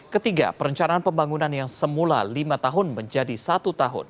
ketiga perencanaan pembangunan yang semula lima tahun menjadi satu tahun